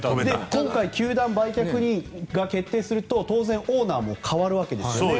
今回、球団売却が決定すると当然オーナーも代わるわけですよね。